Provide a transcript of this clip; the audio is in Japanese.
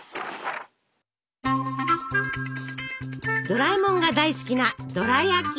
ドラえもんが大好きなドラやき。